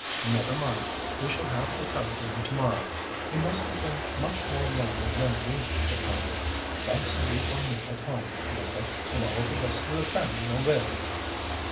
Never mind; we shall have a telegram to morrow. He must have been much more lonely when we departed. Fancy you or me at home, Linda, and all the rest of the family away!"